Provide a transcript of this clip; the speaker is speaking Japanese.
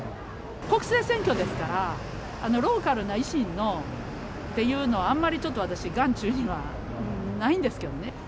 国政選挙ですから、ローカルな維新の、っていうのは、あんまりちょっと私、眼中にはないんですけどね。